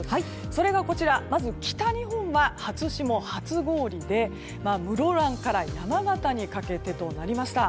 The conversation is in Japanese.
それが、まず北日本は初霜・初氷で室蘭から山形にかけてとなりました。